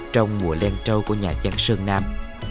trong mùa len trâu của nhà chăn sơn nam